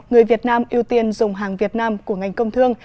người việt nam ưu tiên dùng hàng việt nam của ngành công thương